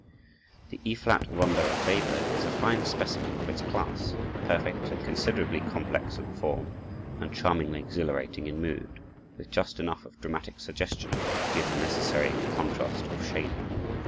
The E flat rondo of Weber is a fine specimen of its class, perfect and considerably complex in form and charmingly exhilarating in mood, with just enough of dramatic suggestion to give the necessary contrast of shading.